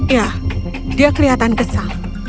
ya dia kelihatan kesal